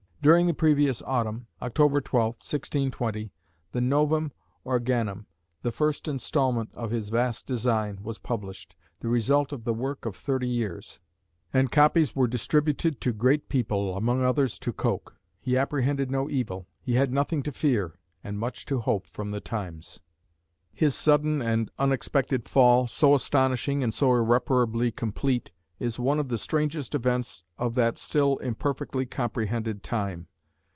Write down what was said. During the previous autumn, Oct. 12, 1620, the Novum Organum, the first instalment of his vast design, was published, the result of the work of thirty years; and copies were distributed to great people, among others to Coke. He apprehended no evil; he had nothing to fear, and much to hope from the times. His sudden and unexpected fall, so astonishing and so irreparably complete, is one of the strangest events of that still imperfectly comprehended time.